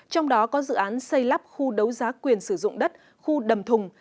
trong đó có dự án xây lắp khu đấu giá quyền sử dụng đất khu đầm thùng